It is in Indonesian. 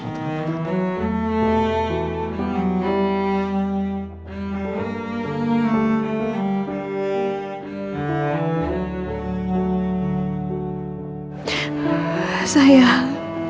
terima kasih pak